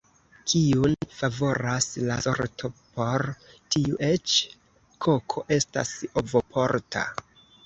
Kiun favoras la sorto, por tiu eĉ koko estas ovoporta.